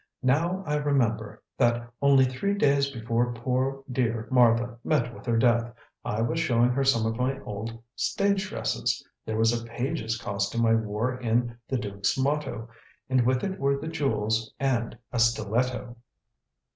"Now I remember, that only three days before poor, dear Martha met with her death, I was showing her some of my old stage dresses. There was a page's costume I wore in The Duke's Motto, and with it were the jewels and a stiletto."